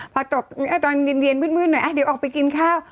พอตกตอนเย็นมืดหน่อยเดี๋ยวออกไปกินข้าว